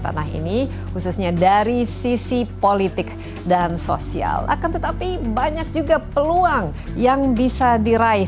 tanah ini khususnya dari sisi politik dan sosial akan tetapi banyak juga peluang yang bisa diraih